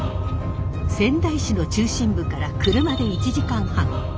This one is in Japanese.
仙台市の中心部から車で１時間半。